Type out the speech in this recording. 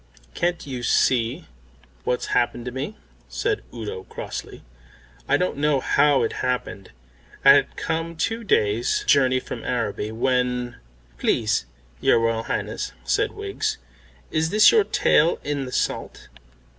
"Can't you see what's happened to me?" said Udo crossly. "I don't know how it happened. I had come two days' journey from Araby, when " "Please, your Royal Highness," said Wiggs, "is this your tail in the salt?"